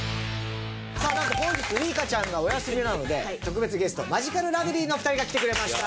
さあなんと本日ウイカちゃんがお休みなので特別ゲストマヂカルラブリーのお二人が来てくれました。